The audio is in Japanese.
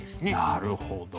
なるほど。